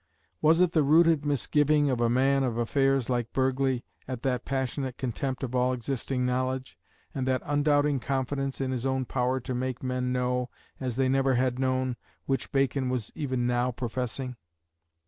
Was it the rooted misgiving of a man of affairs like Burghley at that passionate contempt of all existing knowledge, and that undoubting confidence in his own power to make men know, as they never had known, which Bacon was even now professing?